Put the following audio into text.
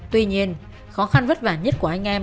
tuy nhiên khó khăn vất vả nhất của anh em